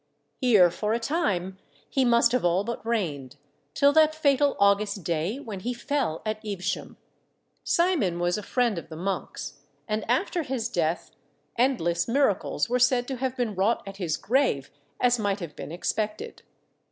Here for a time he must have all but reigned, till that fatal August day when he fell at Evesham. Simon was a friend of the monks, and after his death endless miracles were said to have been wrought at his grave, as might have been expected.